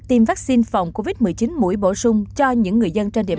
tiêm vaccine phòng covid một mươi chín mũi bổ sung cho những người dân trên địa